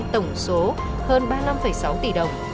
tổng số hơn ba mươi năm sáu tỷ đồng